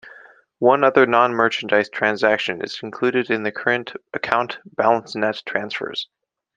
One other nonmerchandise transaction is included in the current account balance-net transfers.